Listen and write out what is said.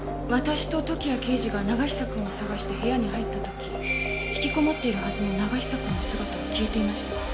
私と時矢刑事が永久くんを捜して部屋に入った時引きこもっているはずの永久くんの姿は消えていました。